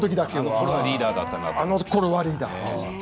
あのころはリーダーでした。